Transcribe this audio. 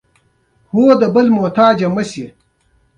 هوتکي دولت د نادر شاه افشار په راڅرګندېدو پای ته ورسېد.